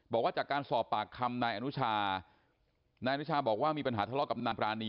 บอกว่าจากการสอบปากคำนายอนุชานายอนุชาบอกว่ามีปัญหาทะเลาะกับนายปรานี